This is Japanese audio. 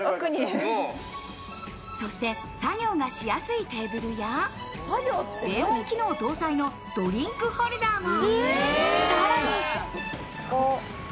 そして作業がしやすいテーブルや冷温機能搭載のドリンクホルダーも。